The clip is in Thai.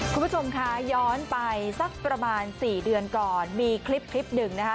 คุณผู้ชมคะย้อนไปสักประมาณ๔เดือนก่อนมีคลิปคลิปหนึ่งนะคะ